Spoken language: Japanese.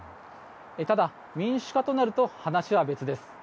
ただ、民主化となると話は別です。